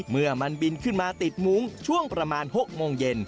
เมื่อมันบินขึ้นมาติดมุ้งช่วงประมาณ๖โมงเย็น